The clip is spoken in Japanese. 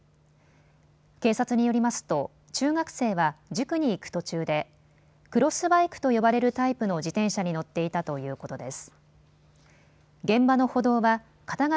警察によりますと中学生は塾に行く途中でクロスバイクと呼ばれるタイプの自転車に乗っていたということです。